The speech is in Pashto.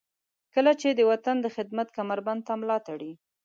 کله چې د وطن د خدمت کمربند تر ملاتړئ.